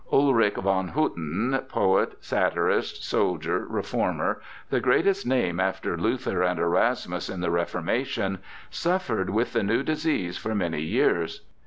Ulrich von Hutten, poet, satirist, soldier, reformer, the greatest name after Luther and Erasmus in the Reformation, suffered with the new disease for many years.